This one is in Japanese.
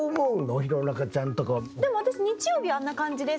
でも私日曜日あんな感じです。